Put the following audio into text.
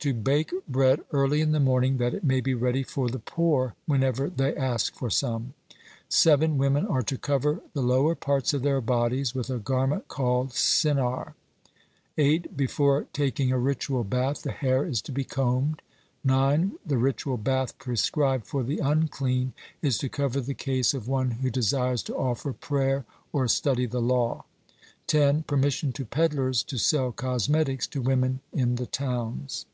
To bake bread early in the morning that it may be ready for the poor whenever they ask for some. 7. Women are to cover the lower parts of their bodies with a garment called Sinar. (47) 8. Before taking a ritual bath, the hair is to be combed. 9. The ritual bath prescribed for the unclean is to cover the case of one who desires to offer prayer or study the law. (48) 10. Permission to peddlers to sell cosmetics to women in the towns.